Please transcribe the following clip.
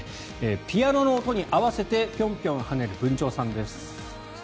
ピアノの音に合わせてピョンピョン跳ねるブンチョウさんです。